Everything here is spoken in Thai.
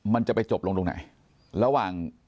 มันจะไปจบลงตรงไหนระหว่าง